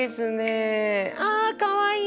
あかわいい！